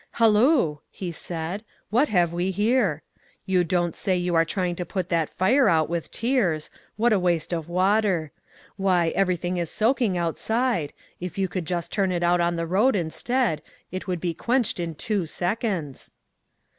" Halloo !" he said. " What have we here ? 266 AFTER THE STORM You don't say you are trying to put that fire out with tears! What a waste of water! Why, everything is soaking outside; if you could just turn it out on the road, instead, it would be quenched in two seconds."